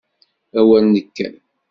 A wer nekker!